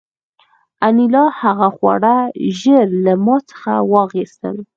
انیلا هغه خواړه ژر له ما څخه واخیستل